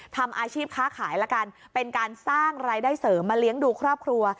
ทำอาชีพค้าขายละกันเป็นการสร้างรายได้เสริมมาเลี้ยงดูครอบครัว